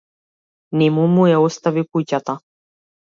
Нему му ја остави куќата.